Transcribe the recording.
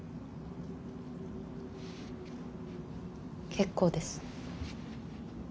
結構です。